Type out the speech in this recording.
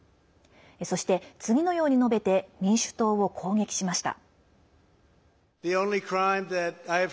そして、次のように述べて民主党を攻撃しました。